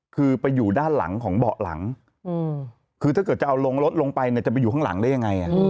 คือไปอยู่ด้านหลังของเบาะหลังคือถ้าเกิดจะเอาลงรถลงไปเนี่ยจะไปอยู่ข้างหลังได้ยังไง